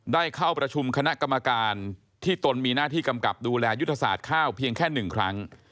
ได้เข้าประชุมคณะกรรมการที่ตนมีหน้าที่กำกับดูแลยุทธศาสตร์ข้าวเพียงแค่๑ครั้ง